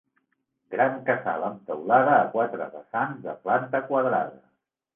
Gran casal amb teulada a quatre vessants, de planta quadrada.